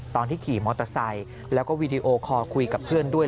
ตอนที่ขี่มอเตอร์ไซค์แล้วก็วีดีโอคอร์คุยกับเพื่อนด้วย